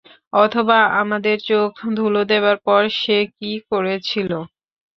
অথবা, আমাদের চোখে ধূলো দেবার পর সে কী করেছিল।